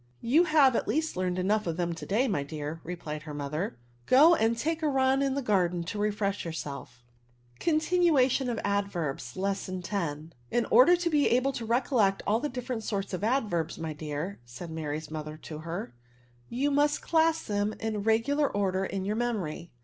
" You have, at least, had enough of them to day, my dear," replied her mother :go and take a run in the garden to refresh yourselfr" iLl>YEAB9« 79 CONTINUATION OF ADVERBS. Lesson X« '' In order to be able to recollect all the different sorts of adverbs, my dear," said Mary's mother to her, you must class them in regular order in your memory."